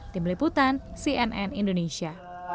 tim liputan cnn indonesia